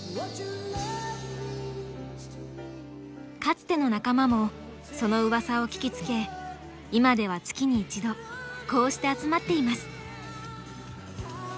かつての仲間もそのうわさを聞きつけ今では月に一度こうして集まっています。